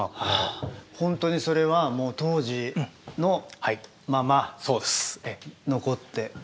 本当にそれはもう当時のまま残って。